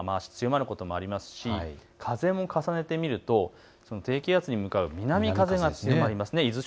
雨足、強まることもありそうですし、風も重ねてみると低気圧に向かう南風が強まります。